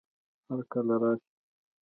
هر کله راشئ